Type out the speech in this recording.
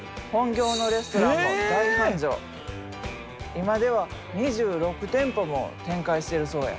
今では２６店舗も展開してるそうや。